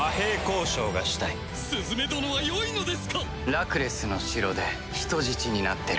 ラクレスの城で人質になってる。